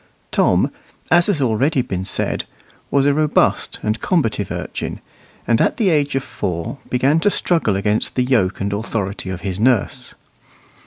Tom, as has been already said, was a robust and combative urchin, and at the age of four began to struggle against the yoke and authority of his nurse.